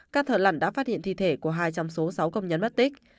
các thợ lẳn đã phát hiện thi thể của hai trong số sáu công nhân mất tích